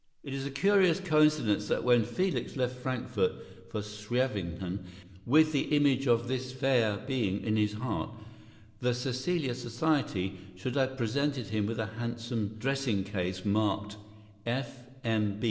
] It is a curious coincidence that when Felix left Frankfort for Scheveningen, with the image of this fair being in his heart, the Caecilia Society should have presented him with a handsome dressing case marked "F. M.